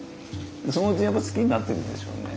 そのうちにやっぱ好きになってくんでしょうね。